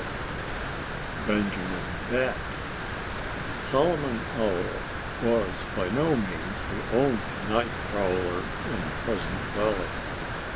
XII Benjamin Bat Solomon Owl was by no means the only night prowler in Pleasant Valley.